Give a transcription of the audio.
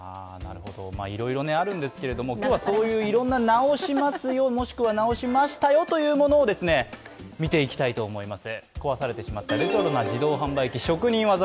いろいろあるんですけど、今日はそういう、いろんな直しますよ、もしくは直しましたよというものを見ていきたいと思います。